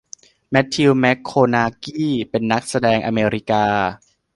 แมทธิวแม็กโคนากี้เป็นนักแสดงอเมริกา